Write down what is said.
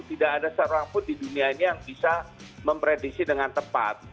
tidak ada seorang pun di dunia ini yang bisa memprediksi dengan tepat